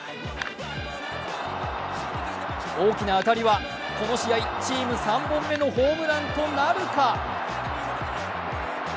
大きな当たりはこの試合チーム３本目のホームランとなるか？